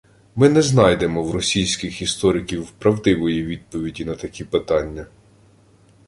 Ми не знайдемо в російських істориків правдивої відповіді на такі питання